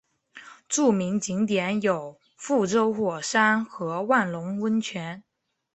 著名景点有覆舟火山和万隆温泉。